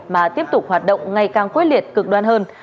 mà tiếp tục hoạt động ngày càng quyết liệt cực đoan hơn